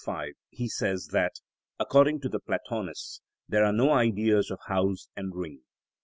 5 he says that, according to the Platonists, there are no Ideas of house and ring.